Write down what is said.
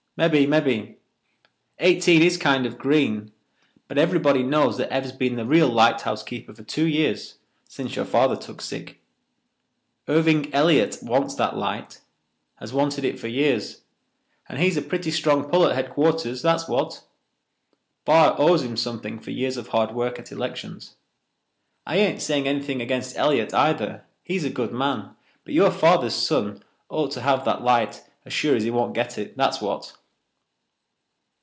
"Mebbe—mebbe. Eighteen is kind of green, but everybody knows that Ev's been the real lighthouse keeper for two years, since your father took sick. Irving Elliott wants that light—has wanted it for years—and he's a pretty strong pull at headquarters, that's what. Barr owes him something for years of hard work at elections. I ain't saying anything against Elliott, either. He's a good man, but your father's son ought to have that light as sure as he won't get it, that's what."